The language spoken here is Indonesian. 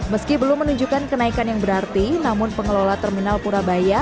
meski belum menunjukkan kenaikan yang berarti namun pengelola terminal purabaya